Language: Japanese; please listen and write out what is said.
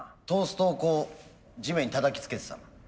トーストをこう地面にたたきつけてたな。